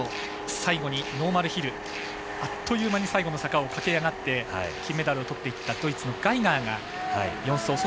最後のノーマルヒルあっという間に最後の坂を駆け上がって金メダルをとっていったドイツのガイガーが４走。